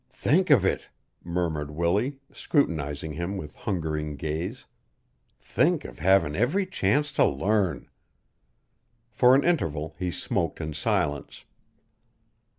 "Think of it!" murmured Willie, scrutinizing him with hungering gaze. "Think of havin' every chance to learn!" For an interval he smoked in silence.